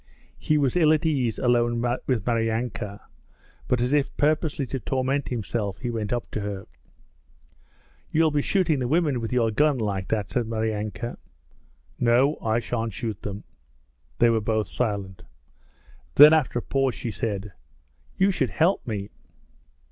He was ill at ease alone with Maryanka, but as if purposely to torment himself he went up to her. 'You'll be shooting the women with your gun like that,' said Maryanka. 'No, I shan't shoot them.' They were both silent. Then after a pause she said: 'You should help me.'